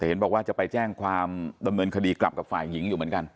เห็นบอกว่าจะไปแจ้งความดำเนินคดีกลับกับฝ่ายหญิงอยู่เหมือนกัน